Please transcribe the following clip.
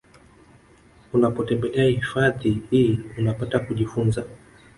Unapotembelea hifafadhi hii unapata kujifunza